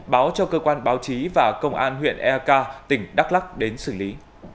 báo cho cơ quan báo chí và công an huyện eak tỉnh đắk lắc đến xử lý